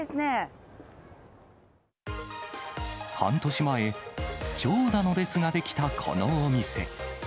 半年前、長蛇の列が出来たこのお店。